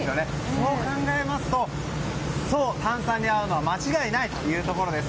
そう考えますと炭酸に合うのは間違いないということです。